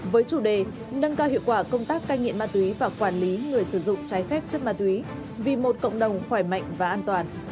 với chủ đề nâng cao hiệu quả công tác cai nghiện ma túy và quản lý người sử dụng trái phép chất ma túy vì một cộng đồng khỏe mạnh và an toàn